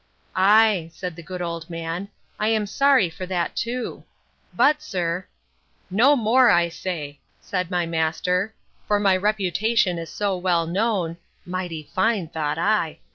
Ay, said the good old man, I am sorry for that too! But, sir,—No more, I say, said my master; for my reputation is so well known, (mighty fine, thought I!)